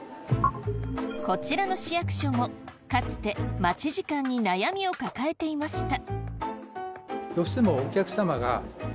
こちらの市役所もかつて待ち時間に悩みを抱えていました。